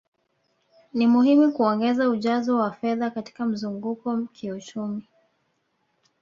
Ni muhimu kuongeza ujazo wa fedha katika mzunguko kiuchumi